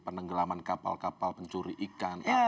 penenggelaman kapal kapal pencuri ikan